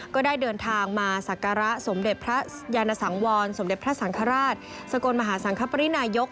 ก็ได้เดินทางมาศักระสมเด็จพระยานสังวรสมเด็จพระสังฆราชสกลมหาสังคปรินายก